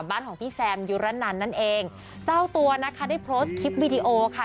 บ้านของพี่แซมยุระนันนั่นเองเจ้าตัวนะคะได้โพสต์คลิปวิดีโอค่ะ